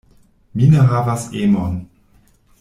Mi ne havas emon.